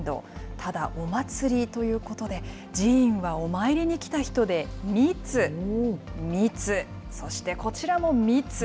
ただ、お祭りということで、寺院はお参りに来た人で密、密、そしてこちらも密。